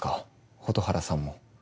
蛍原さんも。